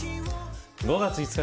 ５月５日